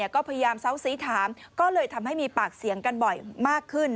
ก็พยายามเซาซีถามก็เลยทำให้มีปากเสียงกันบ่อยมากขึ้น